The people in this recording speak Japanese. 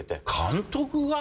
監督が？